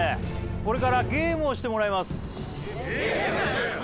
これからゲームをしてもらいますゲーム？